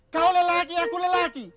kau lelaki aku lelaki